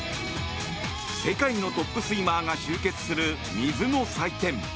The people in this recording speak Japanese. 世界のトップスイマーが集結する水の祭典。